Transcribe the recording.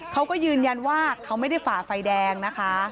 เขาก็ยืนยันว่าเขาไม่ได้ฝ่าไฟแดงนะคะ